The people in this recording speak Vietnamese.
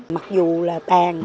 mặc dù là tàn